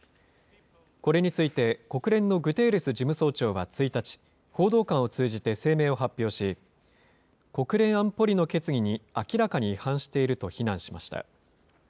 これについて国連のグテーレス事務総長は１日、報道官を通じて声明を発表し、国連安保理の決議に明らかに違反していると非難しました。